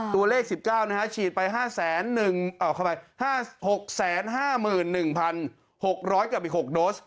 ตัวเลข๑๙ฉีดไป๕๖๕๑๖๐๐กับอีก๖โดส